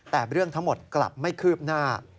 แต่เรื่องทั้งหมดกลับไม่คืบหน้า